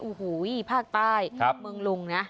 โอ้โหภาคใต้เมืองลุงนะ